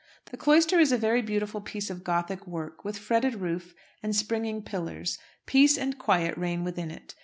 The cloister is a very beautiful piece of Gothic work, with fretted roof and springing pillars. Peace and quiet reign within it.